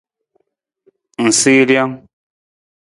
Ng sii rijang.